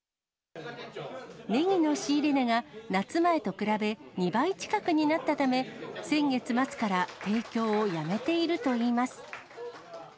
ネギの仕入れ値が夏前と比べ２倍近くになったため、先月末から提供をやめているといいます。